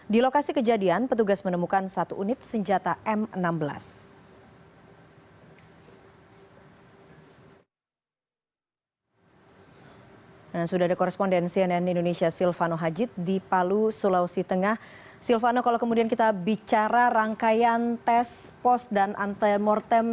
di lokasi kejadian petugas menemukan satu unit senjata m enam belas